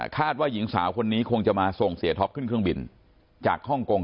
ว่าหญิงสาวคนนี้คงจะมาส่งเสียท็อปขึ้นเครื่องบินจากฮ่องกง